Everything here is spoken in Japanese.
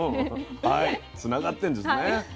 はいつながってんですね。